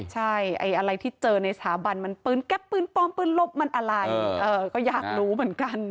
ใช่อะไรที่เจอในสถาบันมันปืนแก๊ปปืนปลอมปืนลบมันอะไรก็อยากรู้เหมือนกัน